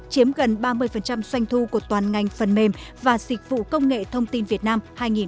chiếm gần ba mươi doanh thu của toàn ngành phần mềm và dịch vụ công nghệ thông tin việt nam hai nghìn một mươi chín